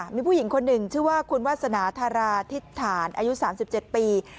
มีผู้หญิงคนหนึ่งชื่อว่าคุณวาสนาธาราธิษฐานอายุ๓๗ปี